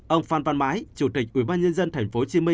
ông phan văn mãi chủ tịch ubnd tp hcm